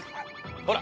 ほら！